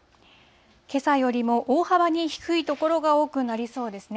けさよりも大幅に低い所が多くなりそうですね。